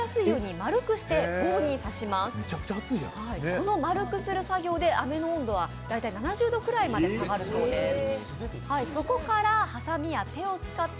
この丸くする作業で飴の温度は大体７０度ぐらいまで下がるそうです。